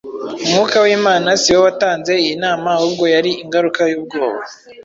Mwuka w’Imana si we watanze iyi nama ahubwo yari ingaruka y’ubwoba.